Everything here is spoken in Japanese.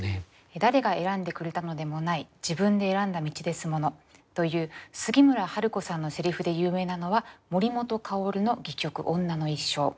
「“誰が選んでくれたのでもない自分で選んだ道ですもの”という杉村春子さんの台詞で有名なのは森本薫の戯曲『女の一生』。